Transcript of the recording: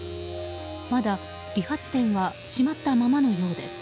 まだ、理髪店は閉まったままのようです。